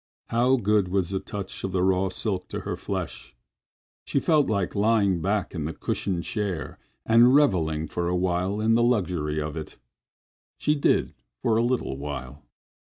How good was the touch of the raw silk to her flesh! She felt like lying back in the cushioned chair and reveling for a while in the luxury of it. She did for a little while.